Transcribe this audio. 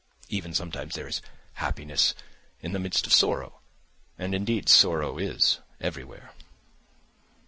Even sometimes there is happiness in the midst of sorrow; and indeed sorrow is everywhere.